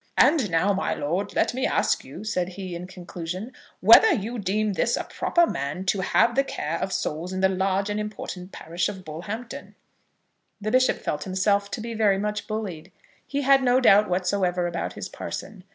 "And now, my lord, let me ask you," said he, in conclusion, "whether you deem this a proper man to have the care of souls in the large and important parish of Bullhampton." The bishop felt himself to be very much bullied. He had no doubt whatsoever about his parson.